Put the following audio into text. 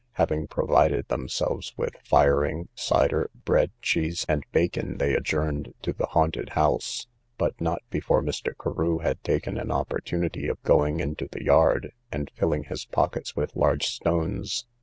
Having provided themselves with firing, cider, bread, cheese, and bacon, they adjourned to the haunted house, but not before Mr. Carew had taken an opportunity of going into the yard, and filling his pockets with large stones.